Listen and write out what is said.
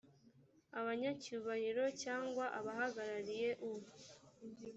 abanyacyubahiro cyangwa abahagarariye u